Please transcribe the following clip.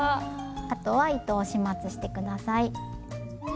あとは糸を始末して下さい。